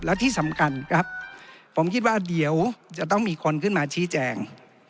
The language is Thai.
และที่สำคัญครับผมคิดว่าเดี๋ยวจะต้องมีคนขึ้นมาชี้แจง